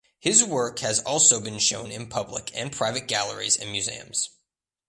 His work has also been shown in public and private galleries and museums.